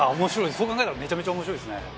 そう考えたらめちゃめちゃ面白いっすね。